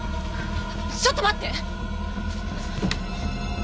ちょっと待って！